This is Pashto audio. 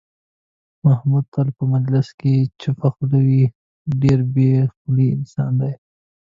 محمود تل په مجلس کې چوپه خوله وي، ډېر بې خولې انسان دی.